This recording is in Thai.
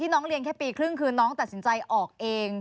น้องเรียนแค่ปีครึ่งคือน้องตัดสินใจออกเอง